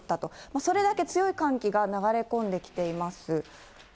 それだけ強い寒気が流れ込んできています。